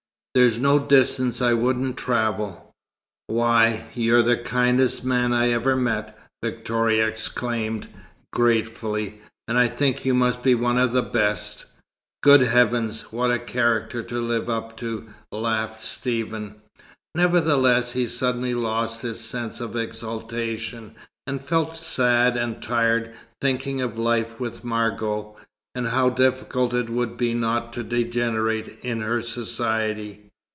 There's no distance I wouldn't travel." "Why, you're the kindest man I ever met!" Victoria exclaimed, gratefully. "And I think you must be one of the best." "Good heavens, what a character to live up to!" laughed Stephen. Nevertheless he suddenly lost his sense of exaltation, and felt sad and tired, thinking of life with Margot, and how difficult it would be not to degenerate in her society.